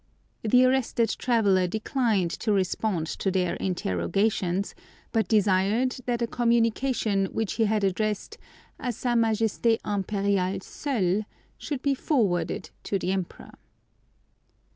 The arrested traveller declined to respond to their interrogations; but desired that a communication which he had addressed A Sa Majesté Impériale seule should be forwarded to the Emperor.